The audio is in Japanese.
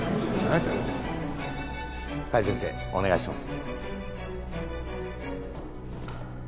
お願いします。